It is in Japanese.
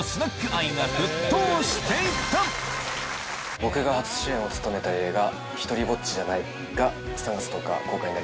僕が初主演を務めた映画『ひとりぼっちじゃない』が３月１０日公開になります。